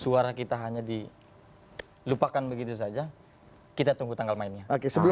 suara kita hanya dilupakan begitu saja kita tunggu tanggal mainnya oke sebelum